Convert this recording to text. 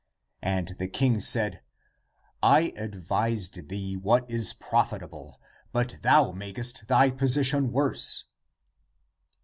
And the king said, " I ad vised thee what is profitable, but thou makest thy position worse."